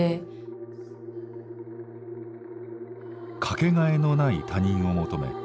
「かけがえのない他人」を求め